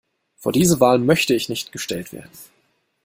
Vor diese Wahl möchte ich nicht gestellt werden.